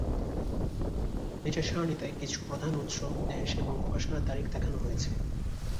নীচের সারণীতে কিছু প্রধান উৎস, দেশ এবং প্রকাশনার তারিখ দেখানো হয়েছে।